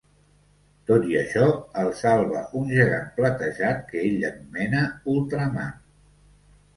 Tot i això, el salva un gegant platejat que ell anomena "Ultraman".